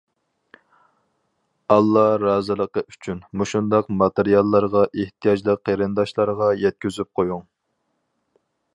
ئاللا رازىلىقى ئۈچۈن، مۇشۇنداق ماتېرىياللارغا ئېھتىياجلىق قېرىنداشلارغا يەتكۈزۈپ قويۇڭ.